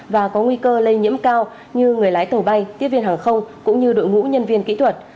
và có nguy cơ lây nhiễm cao như người lái tàu bay tiếp viên hàng không cũng như đội ngũ nhân viên kỹ thuật